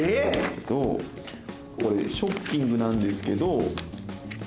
これショッキングなんですけど。